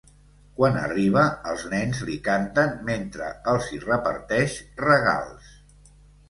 Quan arriba, els nens li canten mentre els hi reparteix regals.